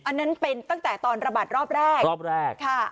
อันนั้นเป็นตั้งแต่ตอนระบาดรอบแรกรอบแรกค่ะ